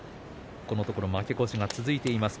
このところ負け越しが続いています。